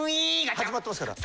始まってますから。